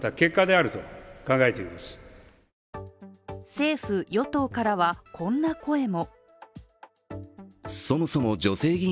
政府・与党からは、こんな声も。